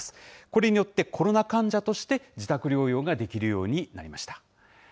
これによって、コロナ患者として自宅療養ができるようになりました。